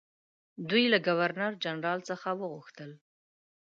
دوی له ګورنرجنرال څخه وغوښتل.